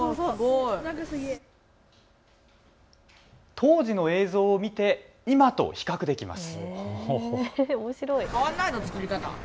当時の映像を見て今と比較できます。